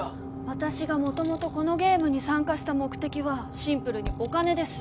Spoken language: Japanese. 私が元々このゲームに参加した目的はシンプルにお金です。